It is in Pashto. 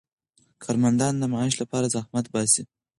کارمندان د معاش لپاره زحمت باسي.